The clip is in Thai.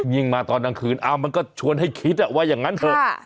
ยิ่งมาตอนดังคืนอ้าวมันก็ชวนให้คิดว่าอย่างนั้นเถอะค่ะ